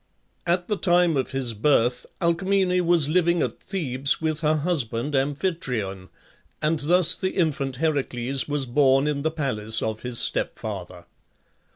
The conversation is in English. At the time of his birth Alcmene was living at Thebes with her husband Amphitryon, and thus the infant Heracles was born in the palace of his stepfather.